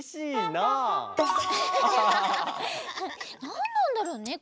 なんなんだろうね？